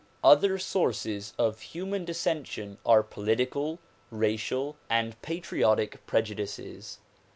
Other sources of human dissension are political, racial and patriotic prejudices.